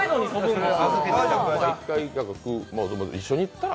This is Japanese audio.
一緒に行ったら？